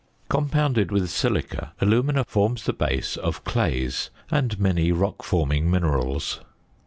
Compounded with silica, alumina forms the base of clays and many rock forming minerals.